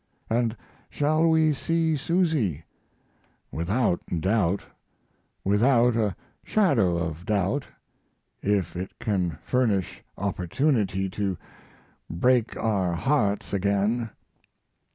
And shall we see Susy? Without doubt! without a shadow of doubt if it can furnish opportunity to break our hearts again.